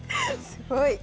すごい。